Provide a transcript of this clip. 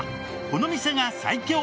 この店が最強！